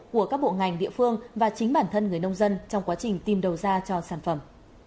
của các bộ ngành địa phương và chính bản thân người nông dân trong quá trình tìm đầu ra cho sản phẩm